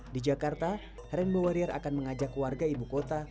di jakarta rainbow warrior akan mengajak warga ibu kota